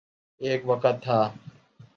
ایک وقت تھا۔